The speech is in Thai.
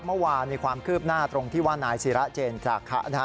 เมื่อวานมีความคืบหน้าตรงที่ว่านายศิราเจนจาคะนะฮะ